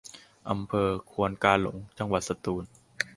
อำเภอควนกาหลง จังหวัดสตูล